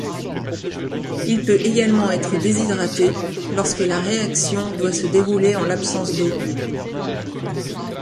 Il peut également être déshydraté lorsque la réaction doit se dérouler en l'absence d'eau.